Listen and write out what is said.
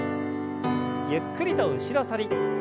ゆっくりと後ろ反り。